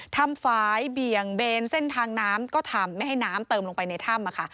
ฝ่ายเบี่ยงเบนเส้นทางน้ำก็ทำไม่ให้น้ำเติมลงไปในถ้ำ